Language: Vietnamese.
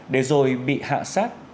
để rồi bị hạ sát